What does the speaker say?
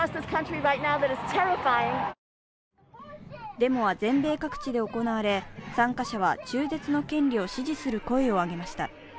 デモは全米各地で行われ、参加者は中絶の権利を支持する声を上げました。